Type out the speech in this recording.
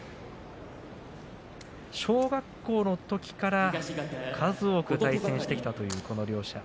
小学校のときから、数多く対戦してきたというこの両者。